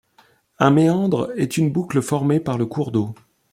Un méandre est une boucle formée par le cours d'eau.